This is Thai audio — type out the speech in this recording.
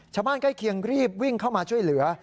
ใกล้เคียงรีบวิ่งเข้ามาช่วยเหลือ